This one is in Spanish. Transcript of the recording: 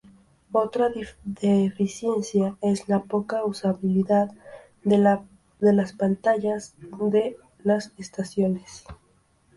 Otra deficiencia es la poca usabilidad de las pantallas de las estaciones.